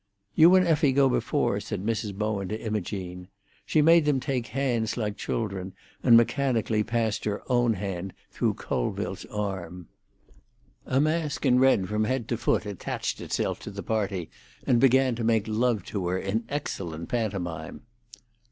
"You and Effie go before," said Mrs. Bowen to Imogene. She made them take hands like children, and mechanically passed her own hand through Colville's arm. A mask in red from head to foot attached himself to the party, and began to make love to her in excellent pantomime.